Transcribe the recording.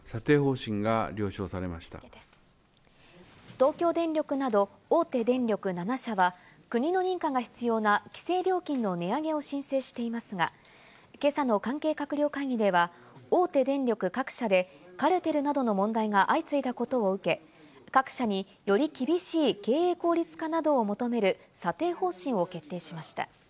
東京電力など大手電力７社は国の認可が必要な規制料金の値上げを申請していますが、今朝の関係閣僚会議では大手電力各社でカルテルなどの問題が相次いだことを受け、各社により厳しい経営効率化などを求める査定方針を決定しました。